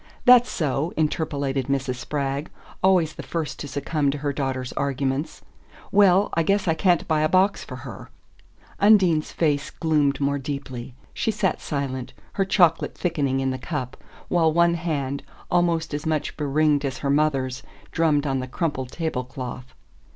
"That's so," interpolated Mrs. Spragg always the first to succumb to her daughter's arguments. "Well, I guess I can't buy a box for her." Undine's face gloomed more deeply. She sat silent, her chocolate thickening in the cup, while one hand, almost as much beringed as her mother's, drummed on the crumpled table cloth.